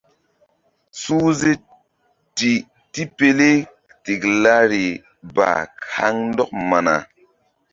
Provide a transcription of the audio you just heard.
Suhze ti tipele tiklari ba haŋ ndɔk mana.